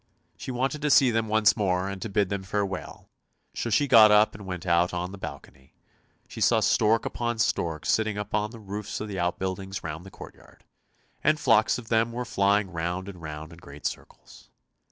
She wanted to see them once more and to bid them farewell, so she got up and went out on to the balcony ; she saw stork upon stork sitting on the roofs of the outbuildings round the courtyard, and flocks of them were flying round and round in great circles.